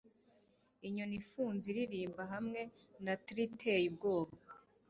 Inyoni ifunze iririmba hamwe na trill iteye ubwoba